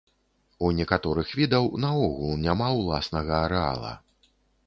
У некаторых відаў наогул няма ўласнага арэала.